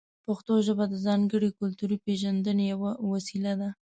پښتو ژبه د ځانګړې کلتوري پېژندنې یوه وسیله ده.